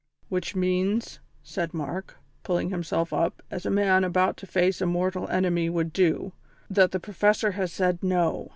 "Which means," said Mark, pulling himself up, as a man about to face a mortal enemy would do, "that the Professor has said 'No.'